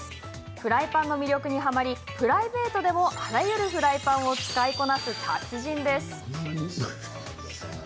フライパンの魅力にはまりプライベートでもあらゆるフライパンを使いこなす達人です。